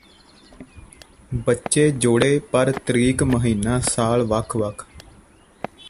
ਬੱਚੇ ਜੌੜੇ ਪਰ ਤਰੀਕ ਮਹੀਨਾ ਸਾਲ ਵਖ ਵਖ